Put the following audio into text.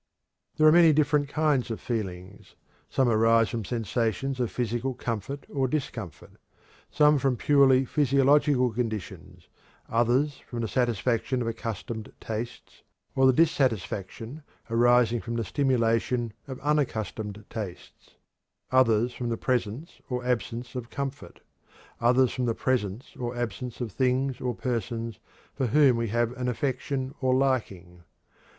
There are many different kinds of feelings. Some arise from sensations of physical comfort or discomfort; others from purely physiological conditions; others from the satisfaction of accustomed tastes, or the dissatisfaction arising from the stimulation of unaccustomed tastes; others from the presence or absence of comfort; others from the presence or absence of things or persons for whom we have an affection or liking.